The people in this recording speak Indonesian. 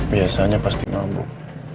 biasanya pasti mabuk